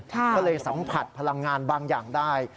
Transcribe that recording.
ก็เลยสัมผัสพลังงานบางอย่างได้